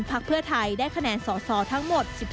พักเพื่อไทยได้คะแนนสอสอทั้งหมด๑๒